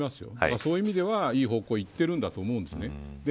そういう意味では、いい方向にいっているんだと思うんですね。